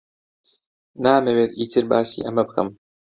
نامەوێت ئیتر باسی ئەمە بکەم.